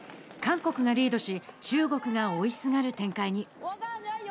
韓国がリードし中国が追いすがる展開に。